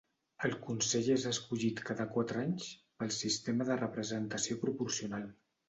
El consell és escollit cada quatre anys pel sistema de representació proporcional.